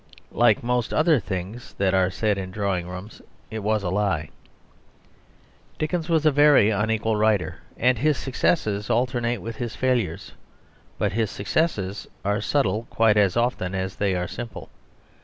Like most other things that are said in drawing rooms, it was a lie. Dickens was a very unequal writer, and his successes alternate with his failures; but his successes are subtle quite as often as they are simple.